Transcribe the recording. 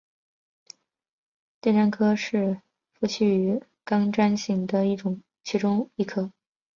电鲇科是辐鳍鱼纲鲇形目的其中一科。